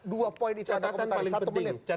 dua poin itu ada komentar